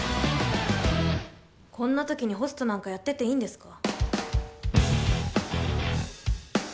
こんな時にホストなんかやってていいんですか？